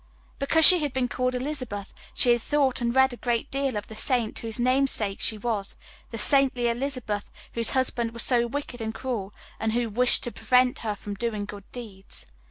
Because she had been called Elizabeth she had thought and read a great deal of the saint whose namesake she was the saintly Elizabeth whose husband was so wicked and cruel, and who wished to prevent her from doing good deeds.